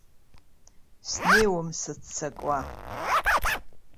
Снеиуам сыццакуа.